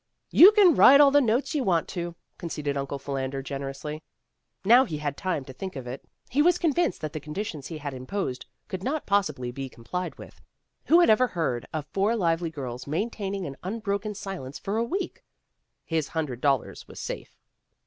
"You can write all the notes you want to," conceded Uncle Philander generously. Now that he had time to think of it, he was con vinced that the conditions he had imposed could not possibly be complied with. Who had ever heard of four lively girls maintaining an unbroken silence for a week? His hundred dollars was safe.